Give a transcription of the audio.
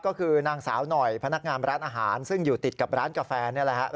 ก็คือนางสาวหน่อยพนักงานร้านอาหารซึ่งอยู่ติดกับร้านกาแฟนี่แหละครับ